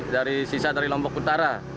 dari sisa dari lombok utara